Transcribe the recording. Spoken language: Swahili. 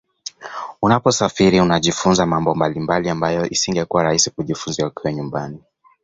Unaposafiri unajifunza mambo mbalimbali ambayo isingekuwa rahisi kujifunza ukiwa nyumbani